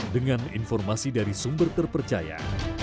dengan informasi dari sumber terpercaya